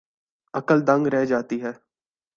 عقل دنگ رہ جاتی ہے۔